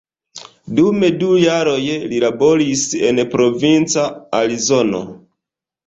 Dum du jaroj li laboris en provinca Arizono.